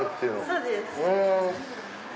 そうです。